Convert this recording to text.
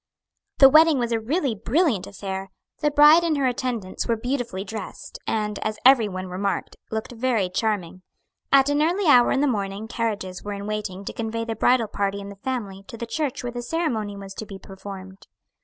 The wedding was a really brilliant affair. The bride and her attendants were beautifully dressed and, as every one remarked, looked very charming. At an early hour in the morning carriages were in waiting to convey the bridal party and the family to the church where the ceremony was to be performed.